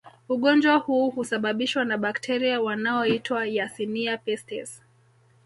Ugonjwa huu husababishwa na bakteria wanaoitwa yersinia pestis